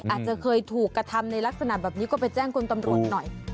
อาจจะเคยถูกกระทำในลักษณะแบบนี้ก็ไปแจ้งคุณตำรวจหน่อย